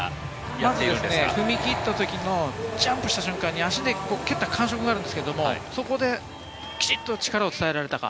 まず踏み切った時のジャンプした瞬間に足で蹴った瞬間があるんですけれども、そこできちんと力を伝えられたか。